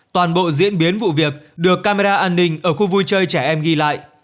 toàn bộ diễn biến vụ việc được camera an ninh ở khu vui chơi trẻ em ghi lại